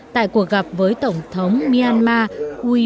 tại cuộc gặp với tổng thống myanmar uyên minh